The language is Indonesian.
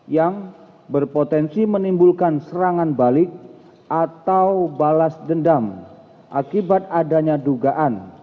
yang berpotensi menimbulkan serangan balik atau balas dendam akibat adanya dugaan